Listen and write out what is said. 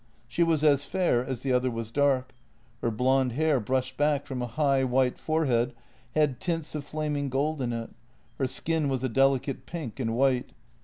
She was as fair as the other was dark; her blonde hair brushed back from a high, white forehead had tints of flaming gold in it; her skin was a delicate pink and white.